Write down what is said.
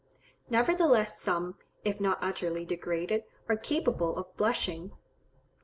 Nevertheless some, if not utterly degraded, are capable of blushing.